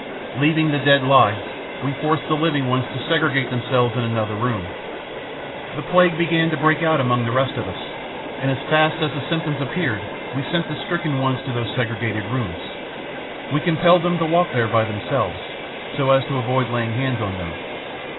Leaving the dead lie, we forced the living ones to segregate themselves in another room. The plague began to break out among the rest of us, and as fast as the symptoms appeared, we sent the stricken ones to these segregated rooms. We compelled them to walk there by themselves, so as to avoid laying hands on them.